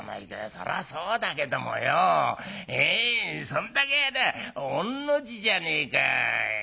「そらそうだけどもよええそれだけありゃ御の字じゃねえか。